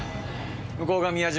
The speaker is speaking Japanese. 向こうが全部宮島？